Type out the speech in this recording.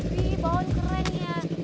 wih bawang keren ya